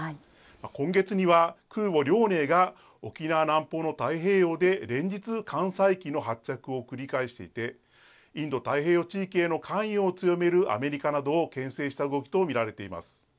今月には空母、遼寧が沖縄南方の太平洋で、連日、艦載機の発着を繰り返して、インド太平洋地域への関与を強めるアメリカなどをけん制した動きと見られています。